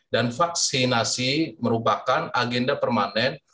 dan vaksinasi merupakan agenda permanen